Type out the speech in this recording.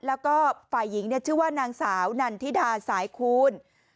แล้วก็ฝ่ายหญิงชื่อว่านางสาวนันทิดาสายคูณ